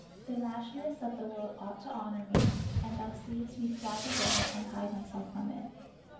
Thou imaginest that the world ought to honor me, and thou seest me fly the world and hide myself from it.